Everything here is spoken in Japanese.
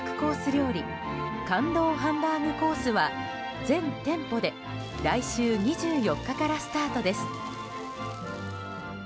料理感動ハンバーグコースは全店舗で来週２４日からスタートです。